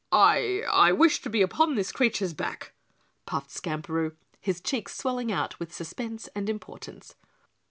"I I wish to be upon this creature's back," puffed Skamperoo, his cheeks swelling out with suspense and importance.